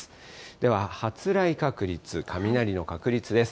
では、発雷確率、雷の確率です。